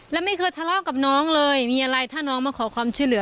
แล้วไม่เคยทะเลาะกับน้องเลยมีอะไรถ้าน้องมาขอความช่วยเหลือ